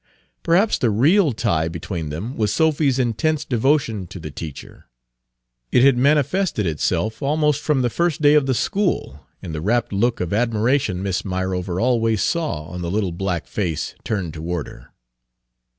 Perhaps the real tie between them was Sophy's intense devotion to the teacher. It had manifested itself almost from the first day of the school, in the rapt look of admiration Miss Myrover always saw on the little black face turned toward her.